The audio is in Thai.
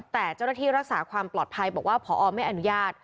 แต่เจ้าหน้าที่รักษาความปลอดภัยบอกว่าพอไม่อนุญาต